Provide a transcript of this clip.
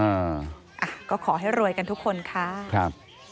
อ่าอ่ะก็ขอให้รวยกันทุกคนค่ะครับ